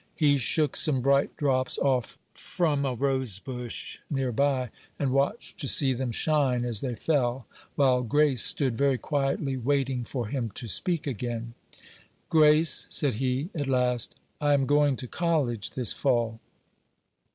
He shook some bright drops off from a rosebush near by, and watched to see them shine as they fell, while Grace stood very quietly waiting for him to speak again. "Grace," said he, at last, "I am going to college this fall."